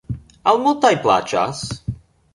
Al multaj plaĉas.